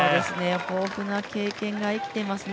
豊富な経験が生きていますね。